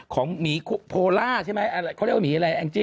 ของหมีโพล่าใช่ไหมเขาเรียกว่าหมีอะไรแองจิ